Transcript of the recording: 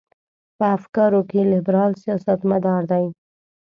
په افکارو کې لیبرال سیاستمدار دی.